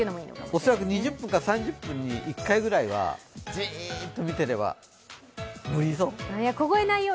恐らく２０分か３０分に１回ぐらいはじーっと見ていれば無理そう？